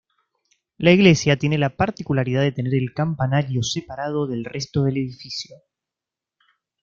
La iglesia tiene la particularidad de tener el campanario separado del resto del edificio.